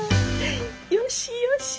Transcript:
よしよし。